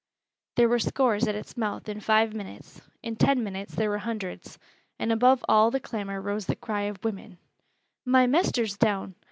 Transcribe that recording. There were scores at its mouth in five minutes; in ten minutes there were hundreds, and above all the clamor rose the cry of women: "My mester's down!"